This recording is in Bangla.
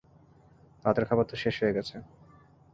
রাতের খাবার তো শেষ হয়ে গেছে।